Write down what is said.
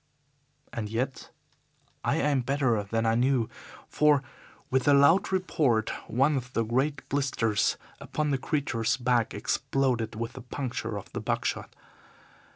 And yet I aimed better than I knew, for, with a loud report, one of the great blisters upon the creature's back exploded with the puncture of the buck shot.